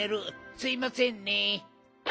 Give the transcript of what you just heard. すいませんね。